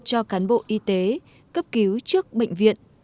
cho cán bộ y tế cấp cứu trước bệnh viện